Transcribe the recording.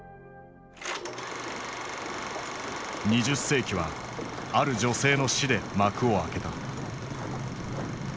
２０世紀はある女性の死で幕を開けた。